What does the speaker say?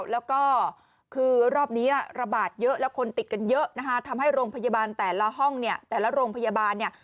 แล้วก็คือรอบนี้ระบาดเยอะแล้วคนติดกันเยอะนะคะทำให้โรงพยาบาลแต่ละห้องเนี่ยแต่ละโรงพยาบาลเนี่ย